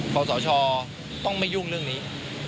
ขอสชต้องไม่ยุ่งเรื่องนี้